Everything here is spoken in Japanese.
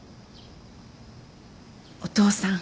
お父さん。